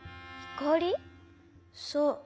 そう。